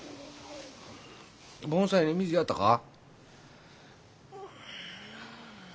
盆栽に水やったか？